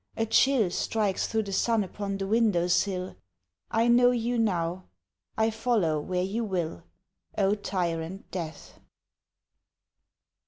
A chill Strikes through the sun upon the window sill I know you now I follow where you will, O tyrant Death!"